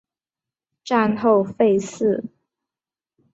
战后废寺。